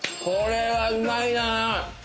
これはうまいな！